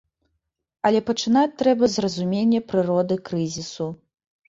Але пачынаць трэба з разумення прыроды крызісу.